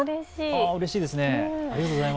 うれしいですね。